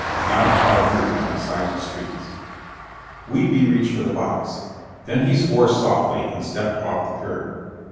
Not a car moved on the silent streets. Whedbee reached for the box. Then he swore softly and stepped off the curb.